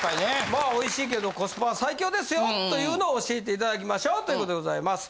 まあ美味しいけどコスパは最強ですよというのを教えて頂きましょうという事でございます。